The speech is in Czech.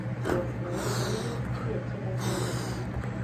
Je jasné, že zemědělství je třeba změnit.